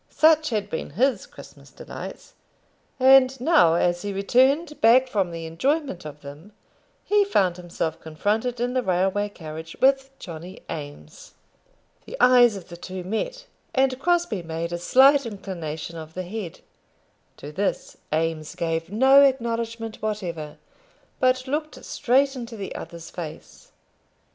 Such had been his Christmas delights; and now, as he returned back from the enjoyment of them, he found himself confronted in the railway carriage with Johnny Eames! The eyes of the two met, and Crosbie made a slight inclination of his head. To this Eames gave no acknowledgment whatever, but looked straight into the other's face.